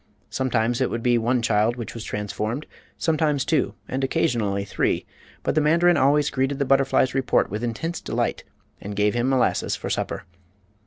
Sometimes it would be one child which was transformed, sometimes two, and occasionally three; but the mandarin always greeted the butterfly's report with intense delight and gave him molasses for supper.